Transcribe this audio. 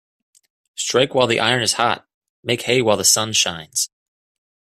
Strike while the iron is hot Make hay while the sun shines.